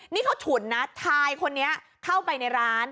นี่เขาถุนนะ